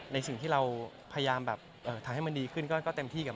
ในสิ่งที่เราพยายามแบบทำให้มันดีขึ้นก็เต็มที่กับ